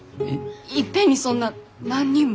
いっぺんにそんな何人も？